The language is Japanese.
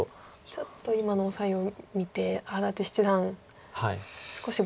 ちょっと今のオサエを見て安達七段少しぼやきが。